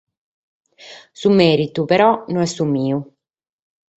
Su mèritu, però, no est su meu.